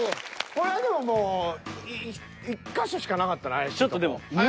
これはでももう１か所しかなかったな怪しいとこ。